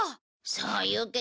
そう言うけどね